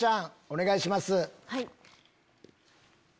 お願いします。